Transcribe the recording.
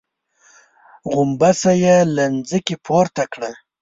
غومبسه يې له ځمکې پورته کړه.